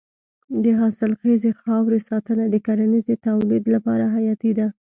د حاصلخیزې خاورې ساتنه د کرنیزې تولید لپاره حیاتي ده.